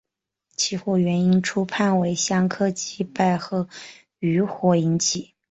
起火原因初判为香客祭拜后余火引起。